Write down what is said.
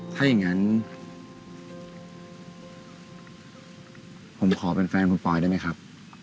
ถ้าอย่างนั้นผมขอเป็นแฟนคุณปอยได้ไหมครับ